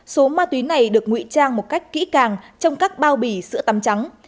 số ma túy này được nguy trang một cách kỹ càng trong các bao bì sữa tắm trắng